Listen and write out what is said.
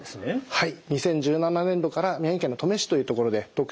はい。